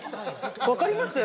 分かります？